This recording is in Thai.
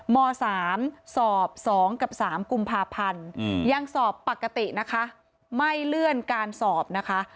ม๓สอบ๒กับ๓กุมภาพันธ์ยังสอบปกตินะคะไม่เลื่อนการสอบนะคะ